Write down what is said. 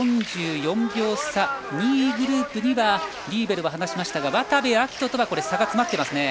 ４４秒差、２位グループにはリーベルは離しましたが渡部暁斗とは差が詰まっています。